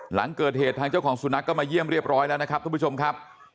หลังเกิดเหตุทางเจ้าของสุนัขก็มาเยี่ยมเรียบร้อยแล้วนะครับทุกผู้ชมครับ